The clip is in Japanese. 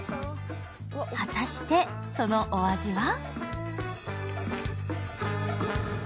果たして、そのお味は？